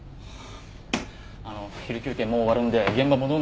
あの昼休憩もう終わるんで現場戻らないと。